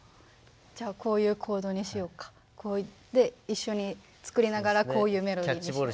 じゃあこういうコードにしようかこういって一緒に作りながらこういうメロディーにしよう。